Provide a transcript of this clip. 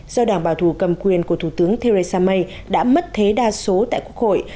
do đảng bảo thủ cầm quyền của thủ tướng theresa may đã mất thế đa số tại quốc hội